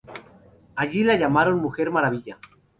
Allí la llamaron Mujer Maravilla.